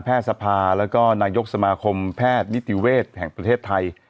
แพทย์สภาและก็นายกสมาคมแพทย์นิติเวทย์แห่งประเทศไทย